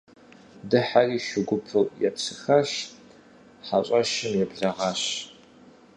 Дыхьэри шу гупыр епсыхащ, хьэщӀэщым еблэгъащ.